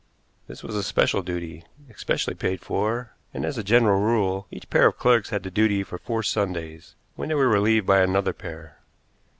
This was a special duty, especially paid for, and, as a general rule, each pair of clerks had the duty for four Sundays, when they were relieved by another pair.